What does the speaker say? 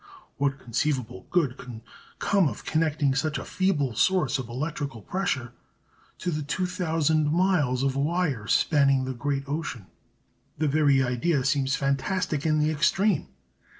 What conceivable good could come of connecting such a feeble source of electrical pressure to the two thousand miles of wire spanning the great ocean; the very idea seems fantastic in the extreme.